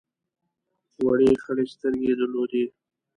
وړې خړې سترګې یې درلودې.